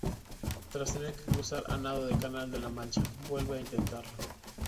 Tras tener que cruzar a nado el Canal de la Mancha, vuelven a intentarlo.